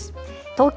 東京